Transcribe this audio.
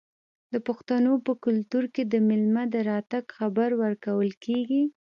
د پښتنو په کلتور کې د میلمه د راتګ خبر ورکول کیږي.